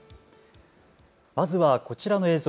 まずはこちらの映像。